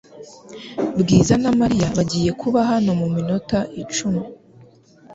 Bwiza na Mariya bagiye kuba hano muminota icumi